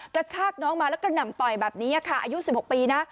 กระชากน้องมาแล้วกระหน่ำต่อยแบบนี้ค่ะอายุ๑๖ปีนะ